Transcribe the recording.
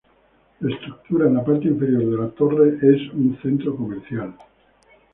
La estructura en la parte inferior de la torre es un centro comercial.